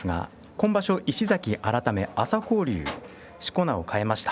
今場所、石崎改め朝紅龍、しこ名を変えました。